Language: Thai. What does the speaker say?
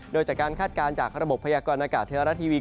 โดยจากการคาดการณ์จากระบบพยากรณากาศเทราทีวี